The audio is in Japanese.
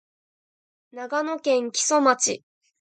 長野県木曽町